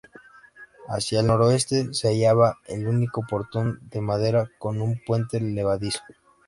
Hacia el noroeste se hallaba el única portón de madera con un puente levadizo.